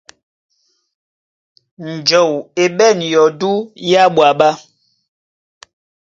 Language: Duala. Njɔu e ɓɛ̂n yɔdú yá ɓwaɓɛ̀.